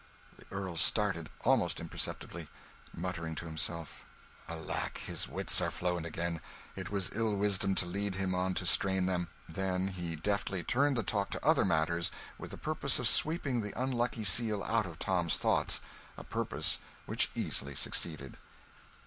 The Earl started, almost imperceptibly, muttering to himself, "Alack, his wits are flown again! it was ill wisdom to lead him on to strain them" then he deftly turned the talk to other matters, with the purpose of sweeping the unlucky seal out of Tom's thoughts a purpose which easily succeeded.